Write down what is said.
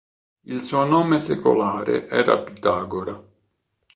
Il suo nome secolare era Pitagora.